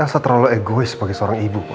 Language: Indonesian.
elsa terlalu egois sebagai seorang ibu pa